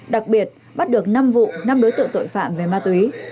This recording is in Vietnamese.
đặc biệt bắt được năm vụ năm đối tượng tội phạm về ma túy